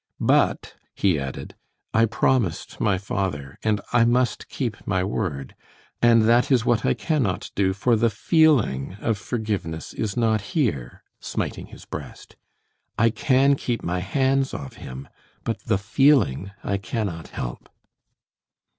But," he added, "I promised my father, and I must keep my word, and that is what I cannot do, for the feeling of forgiveness is not here," smiting his breast. "I can keep my hands off him, but the feeling I cannot help."